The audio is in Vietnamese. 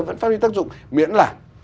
vẫn phát triển tác dụng miễn là